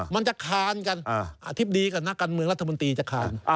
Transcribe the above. มันจะคานกันอธิบดีกับนักการเมืองรัฐมนตรีจะคาน